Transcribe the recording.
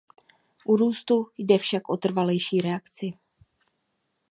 U růstu jde však o trvalejší reakci.